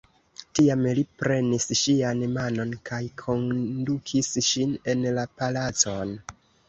Tiam li prenis ŝian manon kaj kondukis ŝin en la palacon.